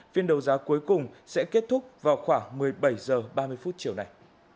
phiên đấu giá cuối cùng sẽ kết thúc vào khoảng một mươi bảy h ba mươi phút chiều này